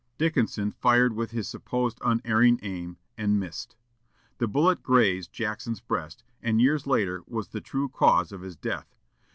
Dickinson fired with his supposed unerring aim, and missed! The bullet grazed Jackson's breast, and years later was the true cause of his death.